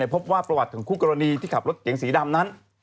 พบว่าประวัติของคู่กรณีที่ขับรถเก๋งสีดำนั้น